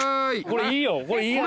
これいいよ。